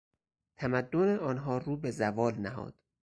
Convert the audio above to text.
تمدن آنها رو به زوال نهاد.